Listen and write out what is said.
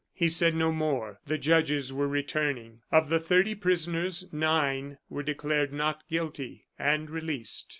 He said no more; the judges were returning. Of the thirty prisoners, nine were declared not guilty, and released.